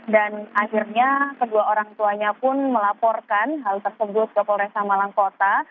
dan akhirnya kedua orang tuanya pun melaporkan hal tersebut ke polresa malang kota